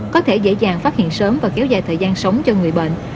có thể dễ dàng phát hiện sớm và kéo dài thời gian sống cho người bệnh